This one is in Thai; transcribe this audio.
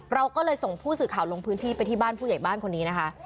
เราก็เลยส่งผู้สื่อข่าวลงพื้นที่ไปที่บ้านผู้ใหญ่บ้านคนนี้นะคะ